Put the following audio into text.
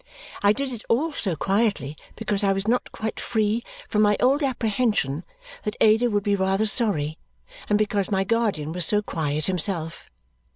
I did it all so quietly because I was not quite free from my old apprehension that Ada would be rather sorry and because my guardian was so quiet himself.